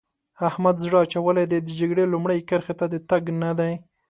احمد زړه اچولی دی؛ د جګړې لومړۍ کرښې ته د تګ نه دی.